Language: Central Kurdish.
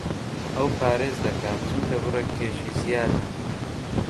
ئەو پارێز دەکات چونکە بڕێک کێشی زیادە.